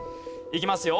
いきますよ。